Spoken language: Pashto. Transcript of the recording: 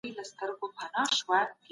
منزلت وګټئ.